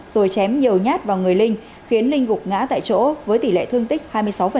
rồi chém nhiều nhát vào người linh khiến linh gục ngã tại chỗ với tỷ lệ thương tích hai mươi sáu